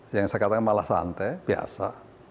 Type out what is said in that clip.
yang saya katakan malah santai biasa